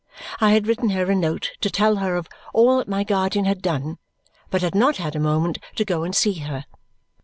I had written her a note to tell her of all that my guardian had done, but had not had a moment to go and see her.